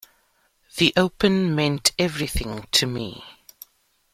The Open meant everything to me.